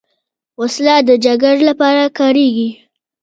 وسله د جګړې لپاره کارېږي